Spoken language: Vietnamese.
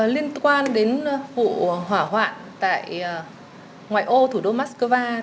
liên quan đến vụ hỏa hoạn tại ngoại ô thủ đô moscow